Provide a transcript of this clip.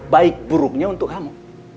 baik buruknya untuk kamu